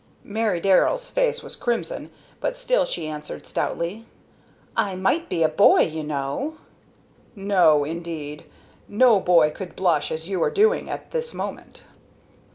Mary Darrell's face was crimson, but still she answered, stoutly, "I might be a boy, you know." "No, indeed. No boy could blush as you are doing at this moment."